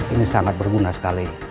ini sangat berguna sekali